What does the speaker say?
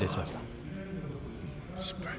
失敗。